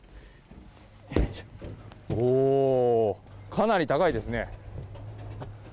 かなり高いですね。